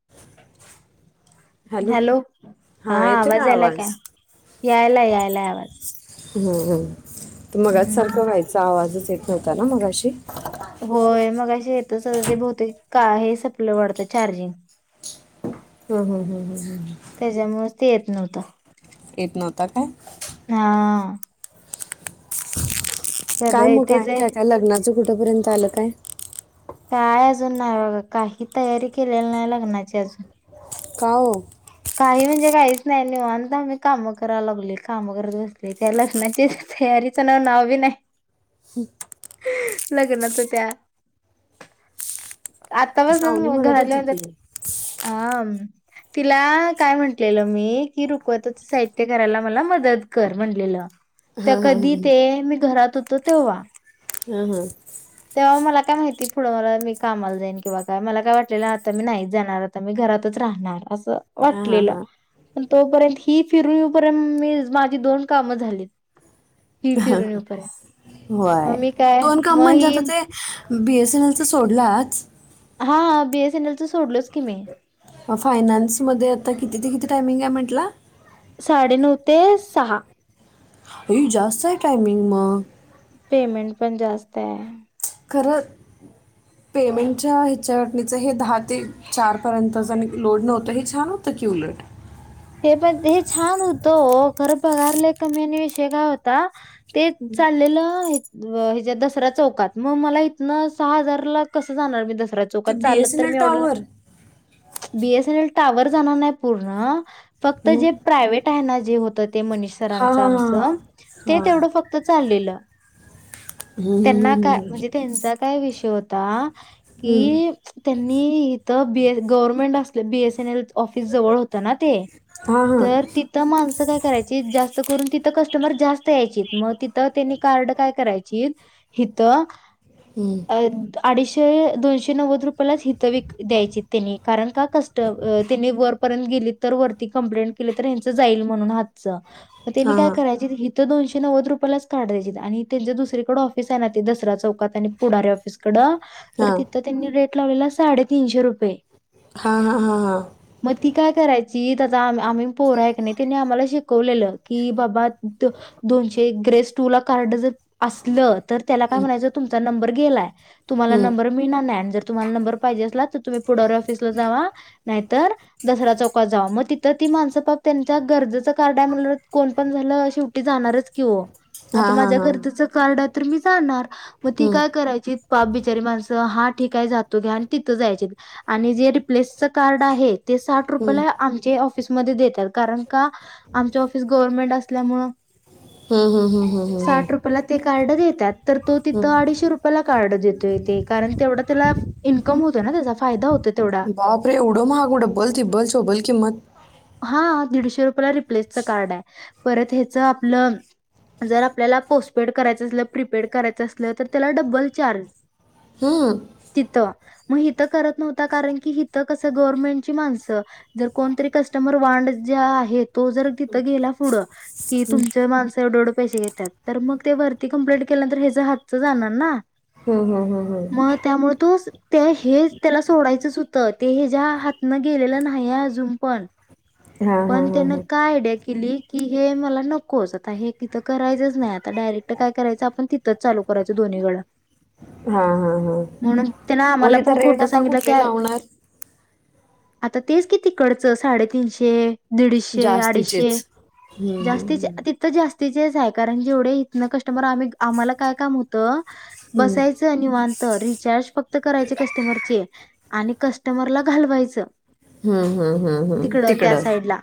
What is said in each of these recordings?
[inaudible] Hello हा आवाज यायलाय काय यायला यायलाय आवाज. हम्म हम्म तर मगच सारखं हम्म व्हायचा आवाजच येत नव्हता ना मगाशी. होय मग अे येतच ते बोते का हे सप्ल वाढतं चार्जिंग. हम हम हम हम हमम. त्याच्यामुळेच ते येत नव्हतं. येत नव्हता काय. हा. काय कदा मग आहे येतेच त्याच्या लग्नाचं कुठंपर्यंत आलं काय. काय अजून नाही बघ काही तयारी केलेली नाही लग्नाची अजून. काऊ. काही म्हणजे काहीच नाही नि अंत आम्ही काम करा लागले काम करत बसले त्या लग्नाचे. सरीचं नाव नाव बी नाही. ह. लग्नाच त्या. सावनी आतापासूनच म्हणत घराल्या होती होत्या की हा. तुला काय म्हंटलेलं मी की रुकवतच साहित्य करायला मला मदत कर म्हटलेलं. हा तर हा हा कधी ते मी घरात होतो तेव्हा. हा हा. तेव्हा मला काय माहिती पुढं मला मी कामाला जाईन किंवा काय मला काय वाटलेलं आता मी नाहीच जाणार. आता मी घरातच राहणार असं हा हा वाटलेलं. हा प तोपर्यंत ही फिरून येपर्यंत मी माझी दोन कामं झालीत. ही होय फिरून येऊपर्यंत व्हय मग मी काय दोन काम मग ही म्हणजेत ते. बी एस एन एल च सोडलाच. हा बी एस एन एल चं सोडलोच की मी. फायनान्समध्ये आता किती ते किती टायमिंग आहे म्हटला. साडेनऊ ते सहा. अ जास्त आहे टाइमिंग म पेमेंट पण जास्त आहे. खरं. [inaudible] पेमेंटच्या हिच्यावाटणीचं हे दहा ते चारपर्यंत ज आणि लोड नव्हतं हे छान होतं की उलट. हे पण हे छान होतं खरं पगार लई कमी आणि विषय काय होता. ते चाललेलं ह्याच्या दसरा चौकात मग मला इथनं सहा हजार ला कसं जाणार मी दसरा ते चौकात बी एस चालत एन तर एल मी एव्हडं लांब tower B S N L tower जाणार नाही पूर्ण फक्त जे मग प्रायव्हेट जे होत मनीष हां सरांचं हां हां आमचं ते हां तेवंढ फक्त चाललेलं हां हां त्यांना हां का म्हणजे त्यांच काय विषय होता की त्यांनी इथं बी एस गव्हर्नमेंट असले B S N L office जवळ हो हां हां हां हां हां हां तर ती. तिथं माणसं काय करायची जास्त करून तिथं कस्टमर जास्त यायचीत मग तिथं त्यांनी कार्ड काय करायची. हित हम्. अडीचशे दोनशे नव्वद रुपयालाच हितं विक द्यायचे त्यांनी कारण का क त्यांनी वरपर्यंत गेली तर वरती कंप्लेंट केली तर ह्यांच जाईल म्हणून हात त्यांनी काय करायच तर दोनशे नव्वद रुपयालाच कार्ड द्यायचे आणि त्यांचे दुसरीकडे ऑफिस आहे ना ते दसरा चौकात आणि पुढारी ऑफिस कडं तिथ त्यांनी रेट लावलेला साडे तीनशे रुपये हा हा हां हां. मग ती काय करायची आम्ही पोर आहे की नाही त्यांने आम्हाला शिकवलेलं की बाबा दोनशे ग्रेस टू ला कार्ड जर असलं तर त्याला काय म्हणायचं तुमचा नंबर गेलाय तुम्हाला नंबर मी नाॅ जर तुम्हाला नंबर पाहिजे असला तर तुम्ही पुढारी ऑफिसला जावा नाहीतर दसरा चौकात जावा मग तिथं ती माणस पाक त्यांच्या गरजेचं कार्ड आहे म्हणून कोण पण झालं शेवटी जाणारच की ओ आता माझ्या गरजेच कार्ड आहे तर मी जाणार मग ती काय करायची पाप बिचारी माणसं हा ठिकाय जातो घ्या आणि तिथं जायचे आणि जे प्लेस च कार्ड आहे ते साठ रुपयेला आम चे ऑफिसमध्ये देतात कारण का आमच ऑफिस गव्हर्मेंट असल्यामुळे हम हम हम हम हम हम. ते कार्ड देतात तर तो तिथं अडीच शे रुपय ला कार्ड देतो य तेे कारण तेवढा त्याला इन्कम होत ना त्याचा फायदा होत बाप रे एव्हडं महाग डबल, टिबल, चौबल किंमत हा दीडशे रुपयाला रिप्लेसचं कार्ड आहे परत हेंच आपलं जर आपल्याला पोस्टपेड करायचं असलं प्रीपेड करायचं असलं तर त्याला डबल चार्ज. हा. तिथं मग हिथं करत नव्हता कारण की हित कसं गवर्नमेंटची माणसं. जर कोणतरी कस्टमर वांड ज्या आहे तो जर तिथं गेला पुढं की तुमं माणसं एवढेवढे पैसे घेत त्यात तर मग ते वरती कंप्लेट केल्यांत हच हातच जाणार ना. हम् हम्म हम हम्. मग त्यामुळे तो त्या हे त्याला सोडायचंच होतं ते ह ज्या हातनं गेलेलं नाही पण हां हां पण त्यान काय आयडिया केली. कि हे मला नकोच आता हे किथं करायचंच नाही. आता डायरेट काय करायचं आप तिथं चालू करायं दोन्हीडं. हां हां हां म्हणून त्यान मग आम्हाला पण तिथं रेट खोट आता सांगितलं की कुठले लावणार आता तेच किती तिकडच साडेतीनशे दीडशे अडीचशे जास्तीचेच. हं, हं. जास्ती तर जास्तीचेच आहे कारण जेवढे इ कस्टमर आम्ही आम्हाला काय काम होत हं. बसायचं. त निवांत रिचार्ज फक्त करायचे कस्टमरचे आणि कस्टमरला घालवायचं. हम हम हम हम तिकडं त्या साईड ला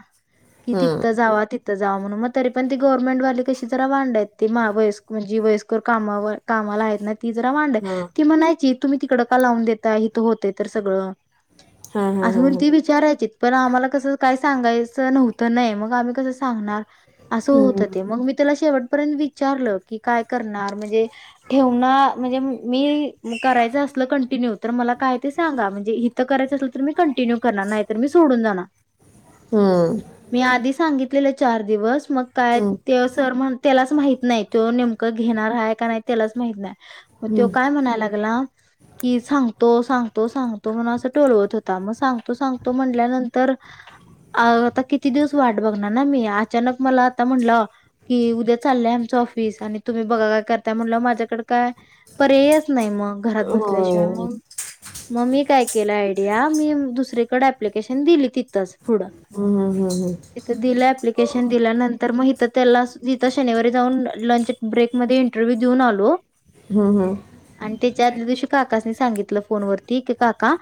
कि तिथ जावा ती थ जावा म्हणून मग तरी पण ती गव्हर्नमेंट वाली कशी जरा वांडायेत ती व म्हणजे वयस्करर कामावर. कामाला आहेत ना. ती जरा वांड आहे हां. ती म्हणायची तुम्ही तिकडं का लावून देताय इथ होतेय तर सगळं. हां, हां, आस हां, म्हून हां. ती विचारायचीत. पण आम्हाला कसं काही सांगायचं नव्हतं नय मग आम्ही कसं सांगणार? असं होत हं. ते मग मी त्याला शेवटपर्यंत विचारलं की काय करणार म्हणजे? ठेव ना म्हणजे मी करायचं असल कंटिन्यू तर मला काय ते सांगा म्हणजे इ. करायचचं असल तर मी कंटिन्यू करणार नाही तर मी सु. सोडून जानार हं. मी आधी सांगितलेले चार दिवस. मग काय हं. ते सर म्हण त्यालाच माहित नाही तो नेमकं घेणार आहे का नाही त्यालाच माहित नाही. मग तो हं. काय म्हणायला लागला? की सांगतो सांगतो सांगतो म्हण असं टोलवत होता मग सांगतो सांगतो म्हण. ल्यानंतर आता किती दिवस वाट बघणार ना मी अचानक मला आता म्हंनल. कि उद्या चाललंय आमचं ऑफिस आणि तुम्ही बघा काय करताय म्हणलं माझ्याकडे काय. पर्यायच नाही मग घरात बसल्याशिवाय होय. मग. मग मी काय केलं आयडिया मी दुसरीकडे ऍप्लिकेशन दिली तिथंच. पुढं. हम हम हम हम तिथं दिलं एप्लिकेशन दिल्यानंतर मग हीत त्याला तिथं शनिवारी जाऊन लंच. ब्रेकमध्ये इंटरव्ह्यू देऊन आलो. हम हम. आणि त्याच्या आदल्या दिवशी काकासनी सांगितलं फोन वरती की काका.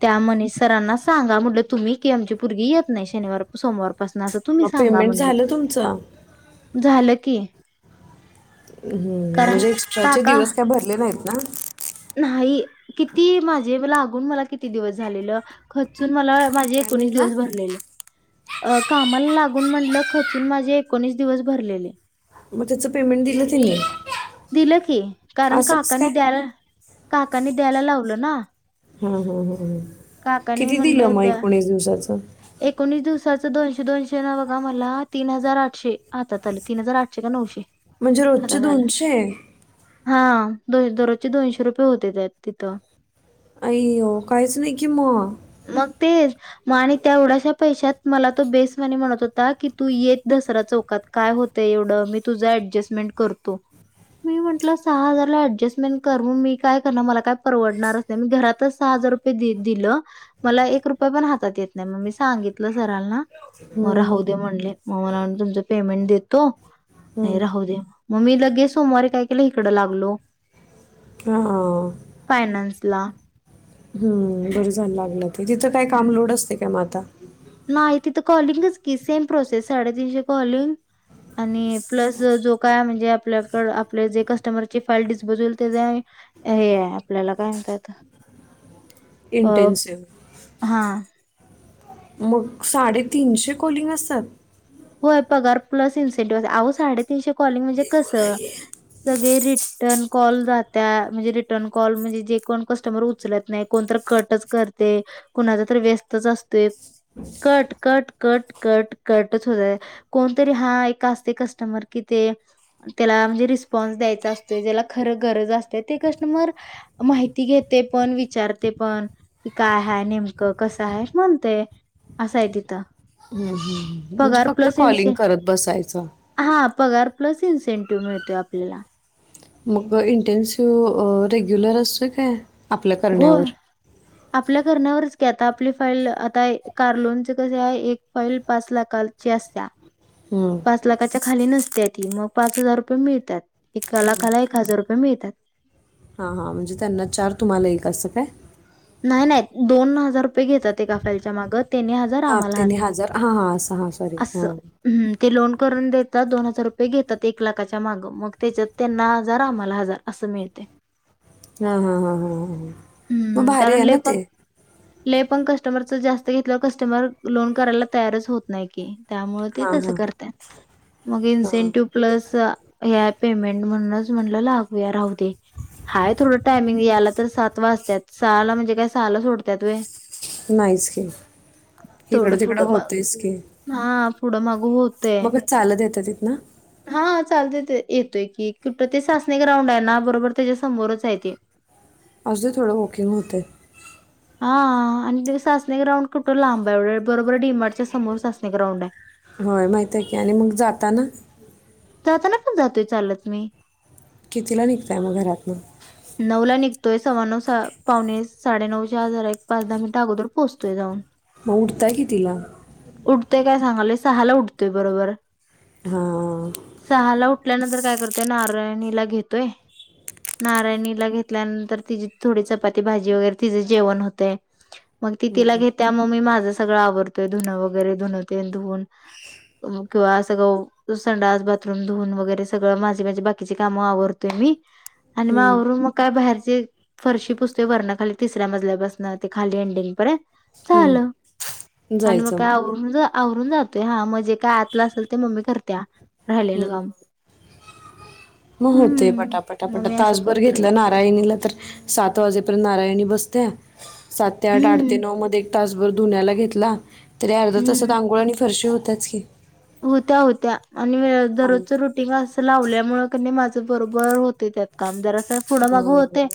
त्या मनी सरांना सांगा म्हटलं तुम्ही की आमची पोर्गी येत नाही शनिवार. सोमवारपासन असं तुम्ही मग सांगा पेमेंट म्हटल झालं तुमचं? झालं की. हम्म कारण म्हणजे एक्स्ट्राचे काका दिवस काय भरले नाहीत ना? नाही किती माझे लागून मला किती दिवस झालेलं खचून. मला माझे काय एकोणीस म्हटला? दिवस भरलेले. अ कामाला लागून म्हंटलं खचून माझे एकोणीस दिवस भरलेले. मग त्याचं पेमेंट दिलं त्यांनी? दिलं की कारण असं कसं काकानी काय? द्याला. काकानी द्यायला लावलं ना. हा हा ह ह काकानी किती दिलं म्हणले मग द्या एकोणीस दिवसाचं. एकोणीस दिवसाचं दोनशे दोनशे न बघा मला तीन हजार आठशे हातात आले तीन हजार आठशे का नऊशे. म्हणजे रोजचे हातात आलं दोनशे. हा दोन दररोजचे दोनशे रुपये होते त्या तिथं. आईवो काईच नाही की मग. मग तेच. मग आणि त्यावढ्याशा पैशातत मला तो बेसवाने म्हणत होता की तू येत दसरा चौकात. काय होतं एवढं मी तुझं ऍडजस्टमेंट करतो. मी म्हटलं सहा हजारला ऍडजस्टमेंट कर म मी काय करणार मला काय परवडणारचनाय. घरातच सहा हजार रे दि मला पण हातात येत नाही मग मी सांगितलं सरल ना मग राह हं. दे म्हणले. मग मला तुमच पेमेंट देतो. नाही हम्म. राहू दे मग मी लगेच सोमवारी काय केलं इकडं लागलो. हाहाहा. फयनान्स ला. हम्म बर जाण लागलं ते तिथं काय कामलोड असते काय म आाता. नाही तिथं कॉलिंगच की सेम प्रोसेस साडेतीनशे कॉलिंग. आणि प्लस जो काय म्हणजे आपल्याकड आपले जे कस्टमरची फाईल डिस्पोजल ते. हे आपल्याला काय म्हणत येत. इंटनसिव्हप. हां. मग साडेतीनशे कॉलिंग असतात. होय पगार प्लस इन्सेंटिव्ह अहो साडेतीनशे कॉलिंग म्हणजे कसं. सगळे रिटर्न कॉल जातात म्हणजे रिटर्न कॉल म्हणजे जे कोण कस्टमर उचलत. नाही कोणत कटच करते कोणाचा तर व्यस्तच असतो. कटटटटट होत कोणतरी हा एक असते कस्टमर कि ते. त्याला म्हणजे रिस्पॉन्स द्यायचा असतय ज्याला खरं गरज असते ते कष्टन मर. माहिती घेते पण विचारते पण. कि काय ह नेमकं कसं आहे म्हणतय असंय तिथं. ह् ह म्हणजे पगार फक्त प्लस इन्से कॉलिंग करत बसायचं. हा पगार प्लस इन्सेंटिव्ह मिळतोय आपल्याला. मग इंटेन्सिव रेग्युलर असतो काय आपल्या होय. करण्यावर. आपल्या करण्यावरच घ आता आपली फाईल आता कारलोनचे कसे आहे एक फाईल पाच लाख ला. ची असत्या. हम पाच लाखाच्या खाली नसत्या ती मग पाच हजार रुपये मिळतात एका लाखाला एक हजार रुपये मिळतात. हां हां म्हणजे त्यांना चार तुम्हाला एक असं काय. नाही दोन हजार रुपये घेतात ते काालच्या मागनी हज हा त्यांनी हजार हा हा हा सॉरी हा. ह् ते लोन करून देतात दोन हजार रुपये घेतात एक लाखाच्या माग मग त्याच्यात त्यांना हजार आम्हाला हजार. असं मिळते. हा हा हा हा हा मग हं, भारी कारण आहे लय ना पण ते लय पण कस्टमरच जास्त घेतल्यावर कस्टमर लोन करायला तयारच होत नाही की. त्यामुळे ते हा तस हा करतात. मग हा इन्सेंटिव्ह प्लस ह्या पेमेंट म्हणूनच म्हणलं लागूया राहू दे. हाय थोडं टायमिंग याला तर सात वाजतात सहाला म्हणजे काय सहाला सोडतत व्हय? नाहीच की. थोडं इकडं तिकड पुढं माग होतच की. हा पुढं माग होत म का चालत येतं तिथन? हा चालत येत येतोय की. कुठं ते सासणी ग्राउंड आहे ना बरोबर त्याच्या समोरच आहे ते. असू दे थोड वॉकिंग होतय. हा आणि ते सासणी ग्राउंड कुठं लांब आहे एवढ? बरोबर डीमार्टच्या समोर सासने ग्राउंड आहे. होय, माहितीय की. आणि मग जाताना? जाताना पण जातोय चालत मी. कितीला निघताय मग घरातन? नऊला निघतोय. सव्वा नऊ सा पावणे साडेनऊच्या अगोदर एक पाच दहा मिनिटं अगोदर पोचतोय जाऊन. म उठताय कितीला? उठतेय काय सांगालोय? सहाला उठतोय बरोबर. हां. सहा ला उठल्यानंतर काय करतोय? नारायणीला घेतोय. नारायणीला घेतल्यानंतर तिची थोडी चपाती भाजी वगैरे तिचे जेवण होतय. मग ती तिला घेत्या. म मी माझं सगळं आवरतोय. धुनं वगैरे धुन तेन धुवून. पण मग किंवा असं काओ संडास बाथरूम धुवून वगैरे सगळं माझी माझी बाकीची कामं आवरतोय मी. आणि म हम्म, आवरून मग काय बाहेरचे फरशी पुसतो वरणं खाली. तिसऱ्या मजल्या पासणं ते खाली एंडिंग पर्यंत. हम्म. झालं, आणि मग काय आव जा आवरून जातय. हा म जे काय आतलं असेल ते मम्मी करते राहिलेलं काम. म होतय हम्म पटा पटा मग पटा. मी असं तासभर करतोय घेतलं ना काही नेल तर सात वाजेपर्यंत नारायणी बसते. सात ते आठ आठ हम्म ते नऊ मध्ये तासभर धुण्याला घेतला तरी अर्धा तासात हम्म आंघोळ आणि फरशी होतेच की. होत्या होत्या आणि वेळ आंघोळ. दररोजच्या रुट टिंग असं लावल्यामुळ क नही माझ बरोबर होतय त्यात काम. जरास पुढ माग होतय. हम्म.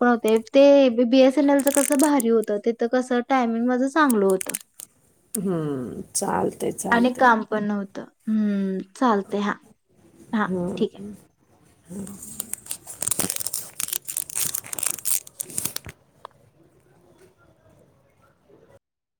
पण होते ते B B S N L च कसं भारी होतं. तीथ कसं टायमिंग माझं चांगलं होत. हं. चालत आणि चालतय. काम पण नव्हतं. हं. चालतय हा. हा ठीक आहे का? हा.